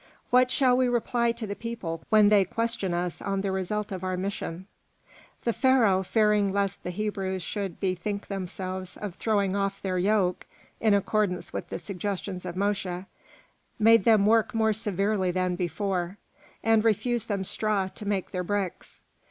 What shall we reply to the people when they question us on the result of our mission?" The Pharaoh, fearing lest the Hebrews should bethink themselves of throwing off their yoke in accordance with the suggestions of Mosche, made them work more severely than before, and refused them straw to make their bricks.